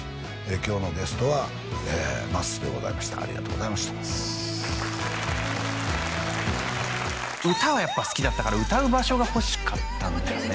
今日のゲストはまっすーでございましたありがとうございました歌はやっぱ好きだったから歌う場所が欲しかったんですね